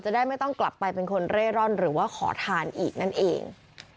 ได้ไม่ต้องกลับไปเป็นคนเร่ร่อนหรือว่าขอทานอีกนั่นเอง